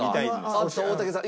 あっと大竹さん。